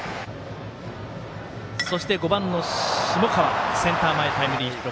そして５番の下川センター前タイムリーヒット。